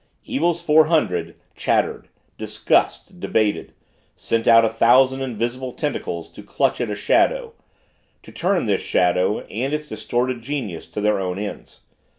Evil's Four Hundred chattered, discussed, debated sent out a thousand invisible tentacles to clutch at a shadow to turn this shadow and its distorted genius to their own ends.